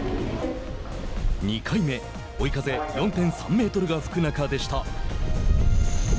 ２回目、追い風４．３メートルが吹く中でした。